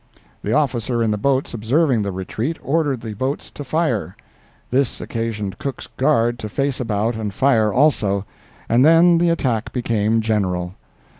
The officer in the boats observing the retreat, ordered the boats to fire—this occasioned Cook's guard to face about and fire also, and then the attack became general.